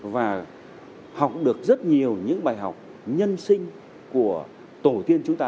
và học được rất nhiều những bài học nhân sinh của tổ tiên chúng ta